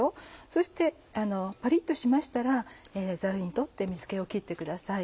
そしてパリっとしましたらザルに取って水気を切ってください。